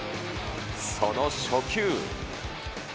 その初球。